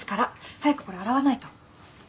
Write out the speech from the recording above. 早くこれ洗わないと。